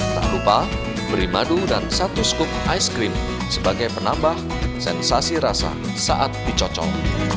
tak lupa beri madu dan satu scoop ice cream sebagai penambah sensasi rasa saat dicocol